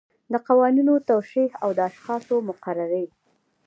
د قوانینو توشیح او د اشخاصو مقرري.